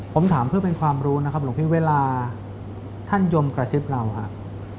ผมถามเพื่อเป็นความรู้นะครับหลวงพี่เวลาท่านยมกระซิบเราครับ